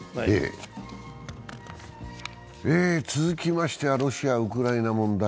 続きましてはロシア・ウクライナ問題。